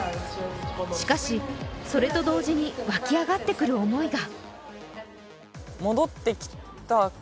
しかし、それと同時に湧き上がってくる思いが。